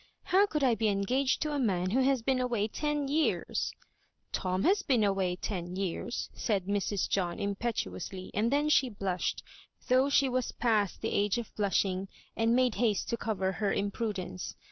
" How could I be engaged to a man who has been away ten years ?"" Tom has been away ten years, said Mrs. John, impetuously ; and then she blushed, though she was past the. age of blushing, and made haste to cover her imprudence.